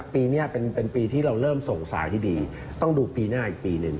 ปีนี้เป็นปีที่เราเริ่มส่งสายที่ดีต้องดูปีหน้าอีกปีหนึ่ง